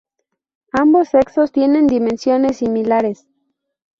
Ambos sexos tienen dimensiones similares.